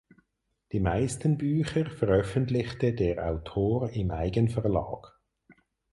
Die meisten Bücher veröffentlichte der Autor im Eigenverlag.